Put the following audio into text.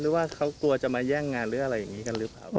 หรือว่าเขากลัวจะมาแย่งงานหรืออะไรอย่างนี้กันหรือเปล่า